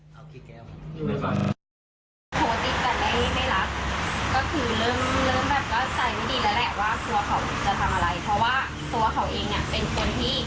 ก็เลยตามหาดูก็ไม่มีตัวหนึ่งได้เข้าแจ้งค่าแล้วค่ะ